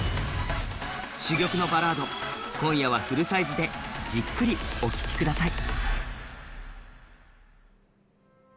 珠玉のバラード、今夜はフルサイズでじっくりお聴きください。